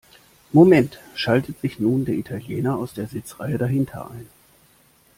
Moment!, schaltet sich nun der Italiener aus der Sitzreihe dahinter ein.